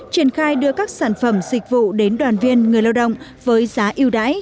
triển khai đưa các sản phẩm dịch vụ đến đoàn viên người lao động với giá ưu đãi